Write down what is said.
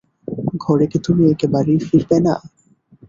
ঘরে কি তুমি একেবারেই ফিরবে না?